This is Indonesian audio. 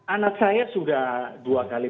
anak saya sudah dua kali